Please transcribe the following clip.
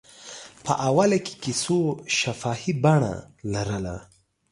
په اوله کې کیسو شفاهي بڼه لرله.